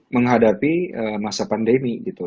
menghadapi masa pandemi gitu